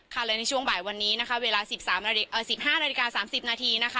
ค่ะในช่วงบ่ายวันนี้เวลา๑๕นาที๓๐นาที